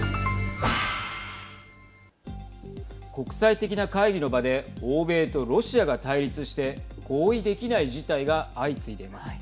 国際的な会議の場で欧米とロシアが対立して合意できない事態が相次いでいます。